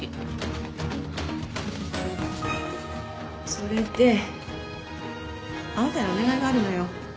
それであなたにお願いがあるのよ。